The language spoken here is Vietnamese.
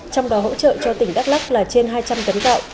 trong đó hỗ trợ cho tỉnh đắk lắc là trên hai trăm linh tấn gạo